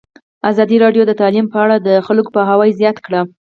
ازادي راډیو د تعلیم په اړه د خلکو پوهاوی زیات کړی.